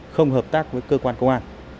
không hợp tác với cơ quan công an